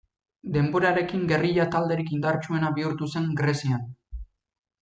Denborarekin gerrilla talderik indartsuena bihurtu zen Grezian.